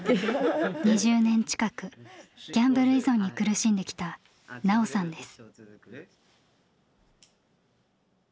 ２０年近くギャンブル依存に苦しんできたナオさんです。